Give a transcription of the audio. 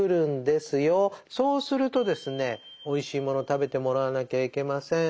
そうするとですねおいしいもの食べてもらわなきゃいけません。